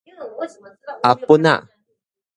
阿本仔